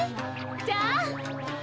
じゃあ。